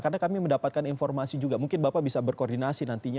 karena kami mendapatkan informasi juga mungkin bapak bisa berkoordinasi nantinya